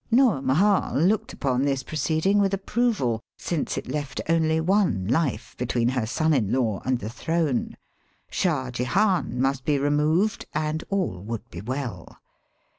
Noor Mahal looked upon this proceeding with approval, since it left only one life be tween her son in law and the throne. Shah Jehan must be removed, and all would be well.